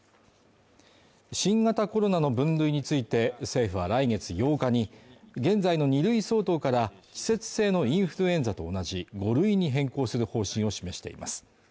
新型コロナの分類について、政府は来月８日に現在の２類相当から季節性のインフルエンザと同じ５類に変更する方針を示しています。